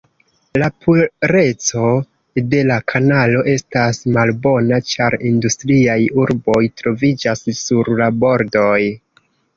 La pureco de la kanalo estas malbona, ĉar industriaj urboj troviĝas sur la bordoj.